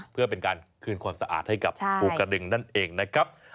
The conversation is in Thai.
เพื่อเป็นการคืนความสะอาดให้กับภูกระดึงนั่นเองนะครับ